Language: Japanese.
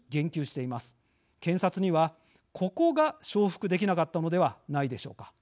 検察にはここが承服できなかったのではないでしょうか。